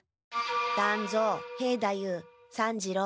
団蔵兵太夫三治郎。